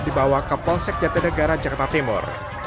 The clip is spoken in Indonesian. dibawa ke polsek jatuh negara jakarta timur